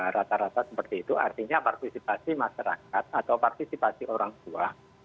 rata rata seperti itu artinya partisipasi masyarakat atau partisipasi orang tua